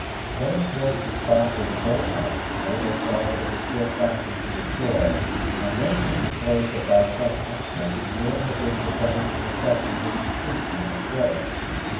Turning towards the spot where the boat lay, Mabel saw that it was still fastened to the shore; and then she supposed that by some accident Muir had been prevented from effecting his retreat in that quarter.